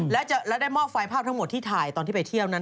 และได้มอบไฟภาพทั้งหมดที่ถ่ายตอนที่ไปเที่ยวนั้น